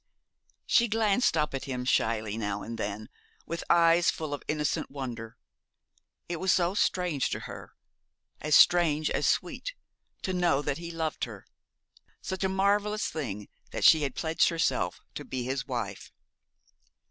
She glanced up at him shyly, now and then, with eyes full of innocent wonder. It was so strange to her, as strange as sweet, to know that he loved her; such a marvellous thing that she had pledged herself to be his wife.